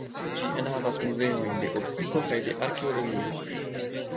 Ĝi enhavas muzeojn de optiko kaj de arkeologio.